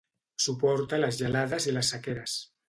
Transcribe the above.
Suporta les gelades i les sequeres.